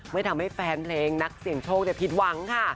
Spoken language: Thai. ไม่ทำให้แฟนเพลงนักเสี่ยงโชคผิดหวังค่ะ